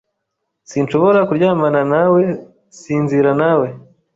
Sinshobora kuryamana nawe Sinzira nawe